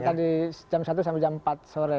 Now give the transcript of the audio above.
tadi jam satu sampai jam empat sore